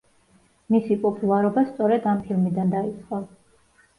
მისი პოპულარობა სწორედ ამ ფილმიდან დაიწყო.